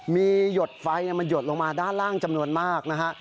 มีหยดไฟมันหยดลงมาด้านล่างจำนวนมากนะฮะ